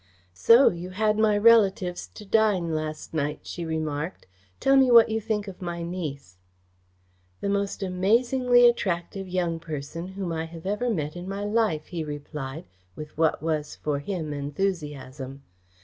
"So you had my relatives to dine last night," she remarked. "Tell me what you think of my niece." "The most amazingly attractive young person whom I have ever met in my life," he replied, with what was for him enthusiasm.